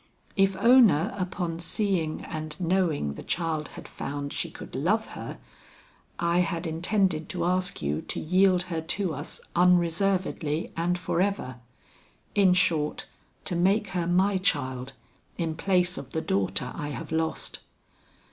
If Ona upon seeing and knowing the child had found she could love her, I had intended to ask you to yield her to us unreservedly and forever, in short to make her my child in place of the daughter I have lost.